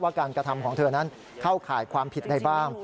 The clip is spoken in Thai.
การกระทำของเธอนั้นเข้าข่ายความผิดใดบ้าง